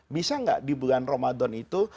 bisa nggak di bulan ramadan itu